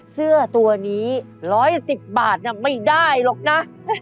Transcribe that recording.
เสื้อตัวนี้ร้อยสิบบาทน่ะไม่ได้หรอกนะ